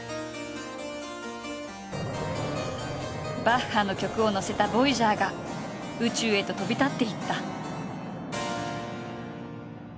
バッハの曲を載せたボイジャーが宇宙へと飛び立っていった。